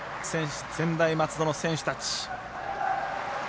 専大松戸の選手たち。